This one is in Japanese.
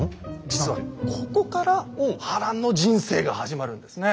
実はここから波乱の人生が始まるんですね。